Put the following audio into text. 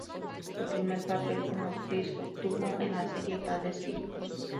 Su primer papel como actriz lo obtuvo en la serie "Padres e hijos".